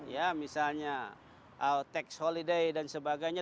ya misalnya tax holiday dan sebagainya